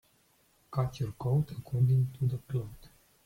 Cut your coat according to the cloth.